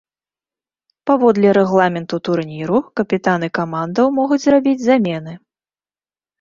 Паводле рэгламенту турніру капітаны камандаў могуць зрабіць замены.